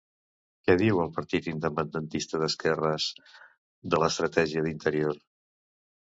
Què diu el partit independentista d'esquerres de l'estratègia d'Interior?